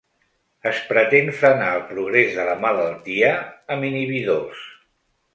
Es pretén frenar el progrés de la malaltia amb inhibidors.